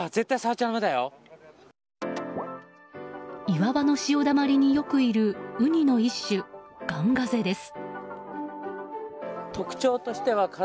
岩場の潮だまりによくいるウニの一種、ガンガゼです。